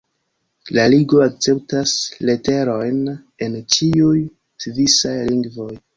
La ligo akceptas leterojn en ĉiuj svisaj lingvoj.